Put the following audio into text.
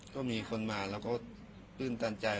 ก็มีคนมาแล้วก็ตื่นตันใจ